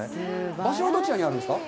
場所は、どちらにあるんですか？